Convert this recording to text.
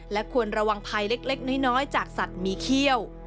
และควรระวังภัยเล็กน้อยจากสัตว์มีเขี้ยว